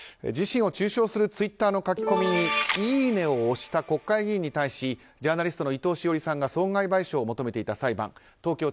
自身を中傷するツイッターの書き込みにいいねを押した国会議員に対しジャーナリストの伊藤詩織さんが損害賠償を求めていた裁判。